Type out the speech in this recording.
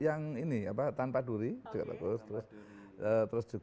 yang ini apa tanpa duri terus juga yang macam macam itu yang dibakar juga enak